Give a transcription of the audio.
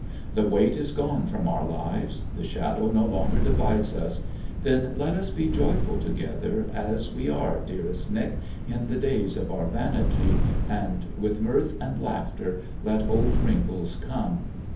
The weight is gone from our lives; the shadow no longer divides us: then let us be joyful together as we are, dearest Nic, in the days of our vanity; and With mirth and laughter let old wrinkles come.'